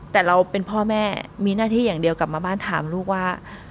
แต่เราเป็นพ่อแม่มีหน้าที่อย่างเดียวกลับมาบ้านถามลูกว่า